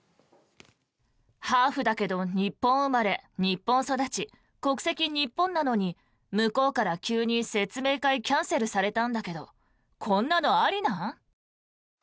ハーフだけど日本生まれ日本育ち国籍日本なのに向こうから急に説明会キャンセルされたんだけどこんなのありなん？